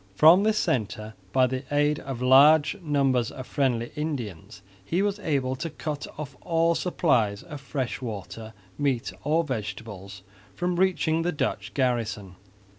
From this centre, by the aid of large numbers of friendly Indians, he was able to cut off all supplies of fresh water, meat or vegetables from reaching the Dutch garrison.